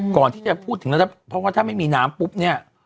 ก่อนที่จะพูดถึงแล้วเพราะว่าถ้าไม่มีน้ำปุ๊บเนี่ย